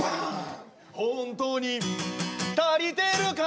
「本当に足りてるか！」